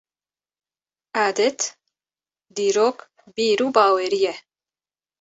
Edet, dîrok, bîr û bawerî ye.